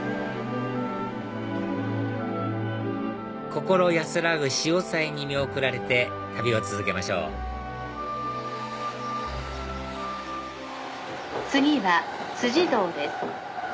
心安らぐ潮騒に見送られて旅を続けましょう次は堂です。